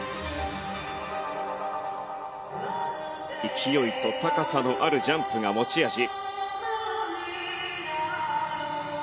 勢いと高さのあるジャンプが持ち味。